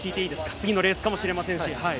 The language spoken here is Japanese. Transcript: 次のレースかもしれませんし。